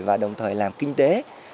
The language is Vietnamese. và đồng thời làm kinh tế